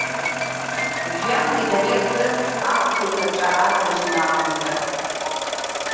Жәҩангьы дара иртәын, аԥҭа еиқәаҵәа аҵажьын акәымзар.